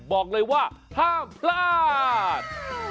บอกเลยว่าห้ามพลาด